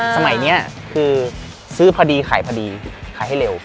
สมัยนี้คือซื้อพอดีขายพอดีขายให้เร็ว